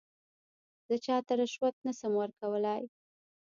زه چاته رشوت نه شم ورکولای.